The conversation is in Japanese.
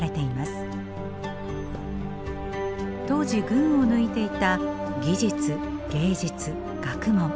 当時群を抜いていた技術芸術学問。